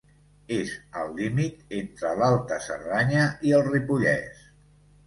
És al límit entre l'Alta Cerdanya i el Ripollès.